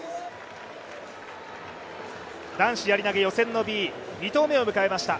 男子やり投予選のＢ、２投目を迎えました。